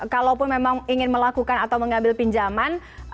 kalaupun memang ingin melakukan atau mengambil pinjaman